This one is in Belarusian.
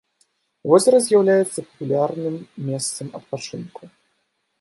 Возера з'яўляецца папулярным месцам адпачынку.